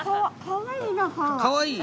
かわいい？